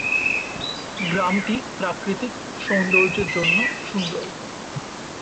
গ্রামটি প্রাকৃতিক সৌন্দর্যের জন্য সুন্দর।